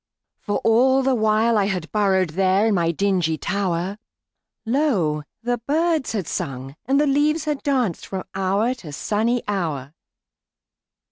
For all the while I had burrowedThere in my dingy tower, Lo! the birds had sung and the leaves had dancedFrom hour to sunny hour.